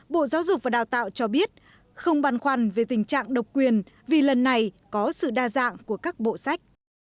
bộ giáo dục và đào tạo cho biết không băn khoăn về tình trạng độc quyền vì lần này có sự đa dạng của các bộ sách